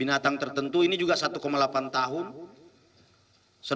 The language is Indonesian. ini yang menghina kak baris